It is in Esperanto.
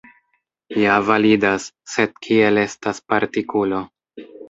Ja validas, sed kiel estas partikulo.